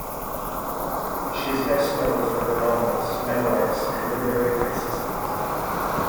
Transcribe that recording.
She is best known for her novels, memoirs and literary criticism.